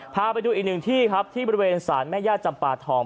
พาไปดูอีกหนึ่งที่ครับที่บริเวณศาลแม่ย่าจำปาทอง